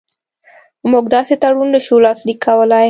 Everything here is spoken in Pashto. موږ داسې تړون نه شو لاسلیک کولای.